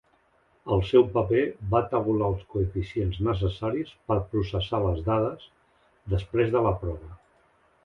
El seu paper va tabular els coeficients necessaris per processar les dades després de la prova.